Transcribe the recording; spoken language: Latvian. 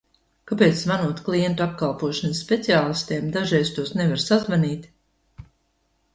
Kāpēc, zvanot klientu apkalpošanas speciālistiem, dažreiz tos nevar sazvanīt?